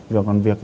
vì còn việc